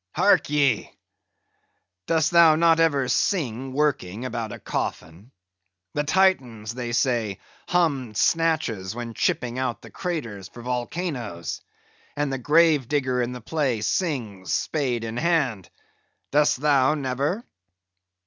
Hark ye, dost thou not ever sing working about a coffin? The Titans, they say, hummed snatches when chipping out the craters for volcanoes; and the grave digger in the play sings, spade in hand. Dost thou never?"